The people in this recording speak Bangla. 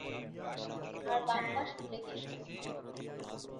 আর বাম পাশ ফুলে গিয়েছে।